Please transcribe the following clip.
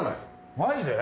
マジで？